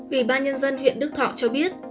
ủy ban nhân dân huyện đức thọ cho biết